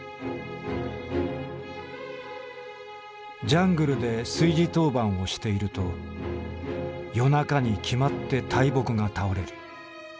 「ジャングルで炊事当番をしていると夜中にきまって大木がたおれる。